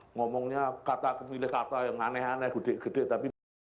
ngomongnya kata kata yang aneh aneh gede gede tapi